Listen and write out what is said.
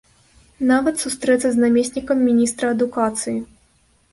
Нават сустрэцца з намеснікам міністра адукацыі.